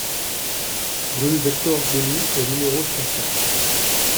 Rue Victor Delloue au numéro trente-quatre